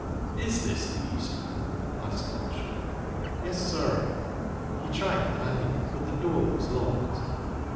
"Is this the East Room?" asked Marshall. "Yes, sir." He tried the handle, but the door was locked.